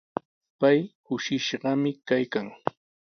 Pay kushishqami kaykan.